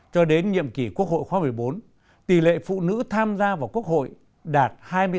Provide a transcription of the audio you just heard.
cho đến nhiệm kỳ quốc hội khóa một mươi bốn tỷ lệ phụ nữ tham gia vào quốc hội đạt hai mươi sáu bảy mươi một